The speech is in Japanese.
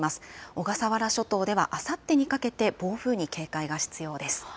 小笠原諸島ではあさってにかけて暴風に警戒が必要です。